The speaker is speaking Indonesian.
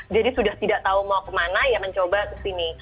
jadi sudah tidak tahu mau kemana ya mencoba kesini